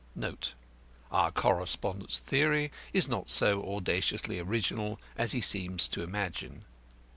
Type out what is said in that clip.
"[Our correspondent's theory is not so audaciously original as he seems to imagine.